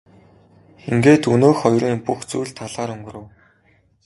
Ингээд өнөөх хоёрын бүх зүйл талаар өнгөрөв.